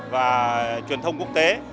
và truyền thông quốc tế